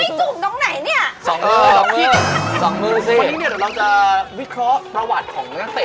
พี่โดนไม่ใช่